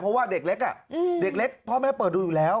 เพราะว่าเด็กเล็กเด็กเล็กพ่อแม่เปิดดูอยู่แล้ว